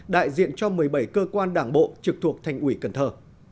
đại diện cho một mươi bảy cơ quan đảng bộ trực thuộc thành ủy cần thơ